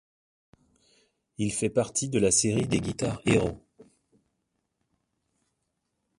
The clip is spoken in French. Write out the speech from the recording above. Il fait partie de la série des Guitar Hero.